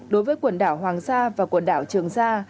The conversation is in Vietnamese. đối với quần đảo hoàng sa và quần đảo trường sa